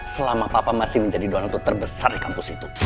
selama papa masih menjadi donatur terbesar di kampus itu